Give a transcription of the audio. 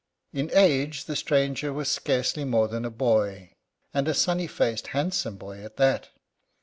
In age the stranger was scarcely more than a boy, and a sunny faced, handsome boy at that.